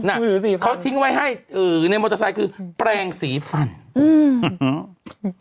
มือถือสี่ซ้อนเขาทิ้งไว้ให้ในมอเตอร์ไซค์คือแปรงสีฟัน